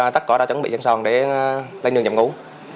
đã tắt cỏ đã chuẩn bị giảng sòn để lên đường nhậm ngũ